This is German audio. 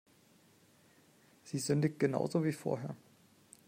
Sie sündigt genau so wie vorher.